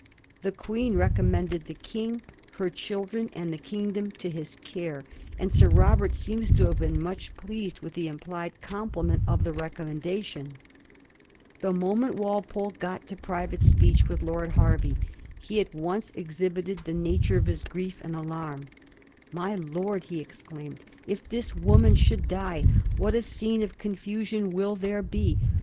The Queen recommended the King, her children, and the kingdom to his care, and Sir Robert seems to have been much pleased with the implied compliment of the recommendation. 120 A HISTOKlf OF THE FOUR 6E0BGES. cilzxix. The moment Walpole got to private speech with Lord Hervey, he at once exhibited the nature of his grief and alarm. " My lord," he exclaimed, " if this woman should die, what a scene of confusion will there be